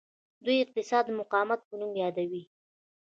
دوی اقتصاد د مقاومت په نوم یادوي.